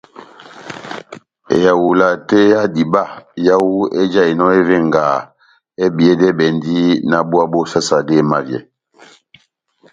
Ehawula tɛ́h ya diba yawu ejahinɔ evengaha ebiyedɛbɛndi náh búwa bó sasade emavyɛ.